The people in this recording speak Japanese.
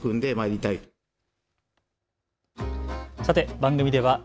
番組では＃